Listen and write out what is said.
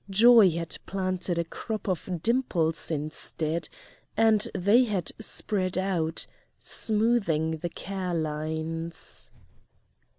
Joy had planted a crop of dimples instead, and they had spread out, smoothing the care lines.